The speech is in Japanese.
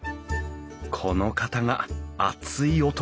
この方が熱い男